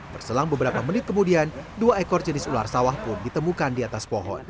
berselang beberapa menit kemudian dua ekor jenis ular sawah pun ditemukan di atas pohon